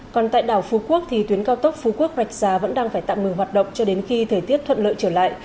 còn tại đảo phú quốc thì tuyến cao tốc phú quốc rạch già vẫn đang phải tạm ngừng hoạt động cho đến khi thời tiết thuận lợi trở lại